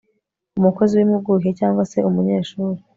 umukozi w impuguke cyangwa se umunyeshuri